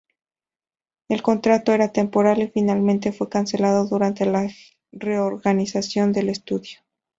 El contrato era temporal y finalmente fue cancelado durante la reorganización del estudio.